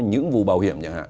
những vụ bảo hiểm